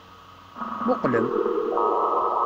Muqqlem!